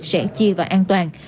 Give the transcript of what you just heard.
sẽ chia và ám ấm